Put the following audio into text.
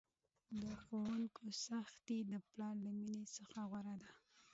د ښوونکي سختي د پلار له میني څخه غوره ده!